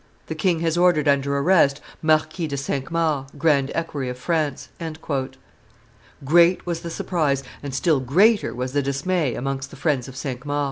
The king has ordered under arrest Marquis de Cinq Mars, grand equerry of France." Great was the surprise, and still greater was the dismay, amongst the friends of Cinq Mars.